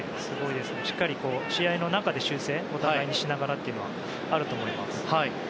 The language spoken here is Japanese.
しっかり試合の中で修正をお互いにしながらというのがあると思います。